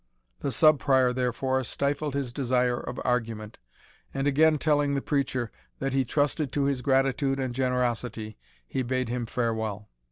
The Sub Prior, therefore, stifled his desire of argument, and again telling the preacher, that he trusted to his gratitude and generosity, he bade him farewell.